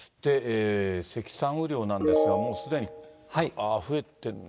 積算雨量なんですが、もうすでに、ああ、増えてるな。